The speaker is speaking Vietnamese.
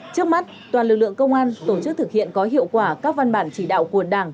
trước mắt toàn lực lượng công an tổ chức thực hiện có hiệu quả các văn bản chỉ đạo của đảng